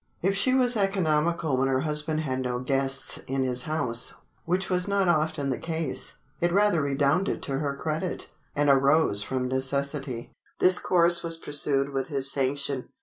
If she was economical when her husband had no guests in his house—which was not often the case—it rather redounded to her credit, and arose from necessity. This course was pursued with his sanction.